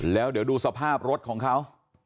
แล้วเดี๋ยวดูสภาพรถของเขา